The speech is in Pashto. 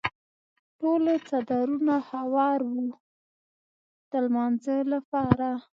ټولو څادرونه هوار وو د لمانځه لپاره.